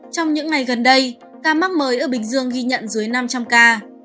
trong những ngày gần đây ca mắc mới ở bình dương ghi nhận dưới năm trăm linh ca